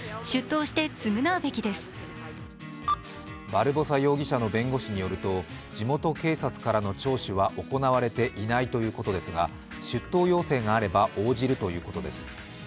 バルボサ容疑者の弁護士によると、地元警察からの聴取は行われていないということですが出頭要請があれば応じるということです。